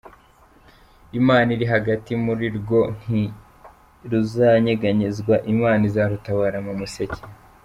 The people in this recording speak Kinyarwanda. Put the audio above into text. Imana iri hagati muri rwo ntiruzanyeganyezwa, Imana izarutabara mu museke.